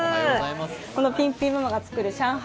このピンピンママが作る上海